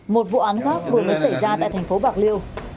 một vụ án khác vừa mới xảy ra tại thành phố bạc liêu